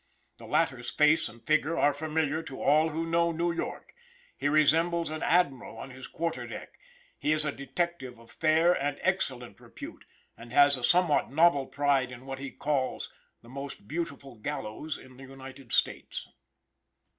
The latter's face and figure are familiar to all who know New York; he resembles an admiral on his quarter deck; he is a detective of fair and excellent repute, and has a somewhat novel pride in what he calls "the most beautiful gallows in the United States."